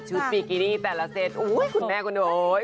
ชุดปลีกินิแต่ละเซ็ตขุนแม่ขุนโหนย